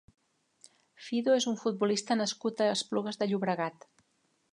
Fido és un futbolista nascut a Esplugues de Llobregat.